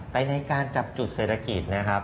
ในการจับจุดเศรษฐกิจนะครับ